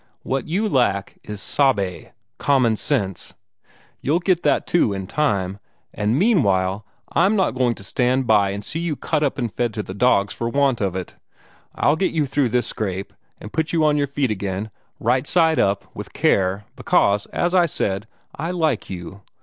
What you lack is SABE common sense. You'll get that, too, in time, and meanwhile I'm not going to stand by and see you cut up and fed to the dogs for want of it. I'll get you through this scrape, and put you on your feet again, right side up with care, because, as I said, I like you.